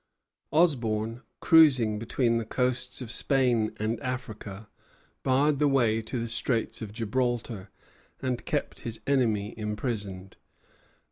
Osborn, cruising between the coasts of Spain and Africa, barred the way to the Straits of Gibraltar, and kept his enemy imprisoned.